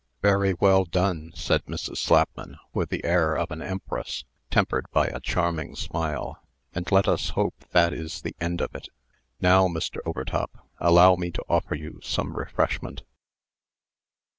"Very well done," said Mrs. Slapman, with the air of an empress, tempered by a charming smile. "And let us hope that is the end of it. Now, Mr. Overtop, allow me to offer you some refreshment."